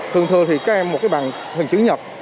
thường thường thì các em một cái bằng hình chữ nhật